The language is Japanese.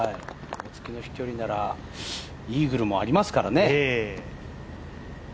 大槻の飛距離ならイーグルもありますからね。